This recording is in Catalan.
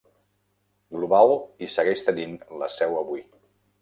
Global hi segueix tenint la seu avui.